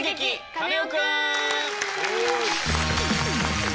カネオくん」！